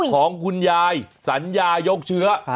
ของคุณยายสัญญายกเชื้อ